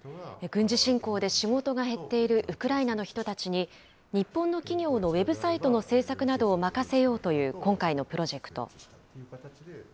軍事侵攻で仕事が減っているウクライナの人たちに、日本の企業のウェブサイトの制作などを任せようという今回のプロジェクト。